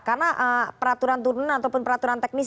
karena peraturan turunan ataupun peraturan teknis